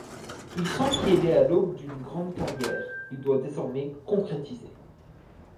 Il sent qu'il est à l'aube d'une grande carrière, il doit désormais concrétiser.